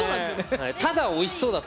ただおいしそうだった。